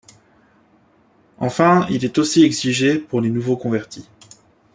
Enfin, il est aussi exigé pour les nouveaux convertis.